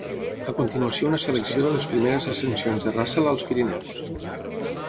A continuació una selecció de les primeres ascensions de Russell als Pirineus.